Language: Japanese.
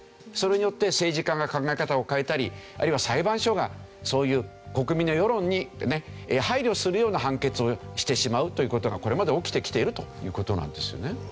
それによって政治家が考え方を変えたりあるいは裁判所がそういう国民の世論に配慮するような判決をしてしまうという事がこれまで起きてきているという事なんですよね。